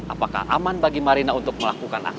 apakah aman bagi marina untuk melakukan aksi